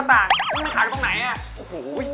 หาน้ำของขังให้ปู